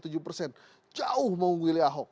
jauh mau memilih ahok